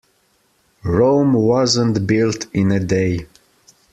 Rome wasn't built in a day.